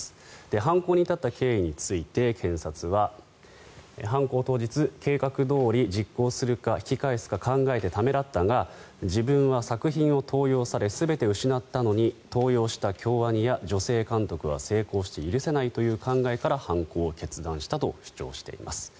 犯行に至った経緯について検察は犯行当日、計画どおり実行するか引き返すか考えて、ためらったが自分は作品を盗用され全てを失ったのに盗用した京アニや女性監督は成功して許せないという考えから犯行を決断したと主張しています。